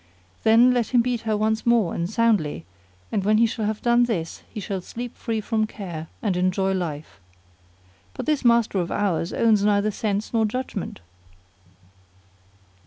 Then let him beat her once more and soundly, and when he shall have done this he shall sleep free from care and enjoy life. But this master of ours owns neither sense nor judgment."